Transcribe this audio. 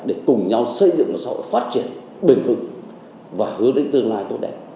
để cùng nhau xây dựng một xã hội phát triển bình thường và hứa đến tương lai tốt đẹp